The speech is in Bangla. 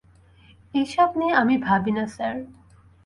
এইসব নিয়ে আমি ভাবি না স্যার।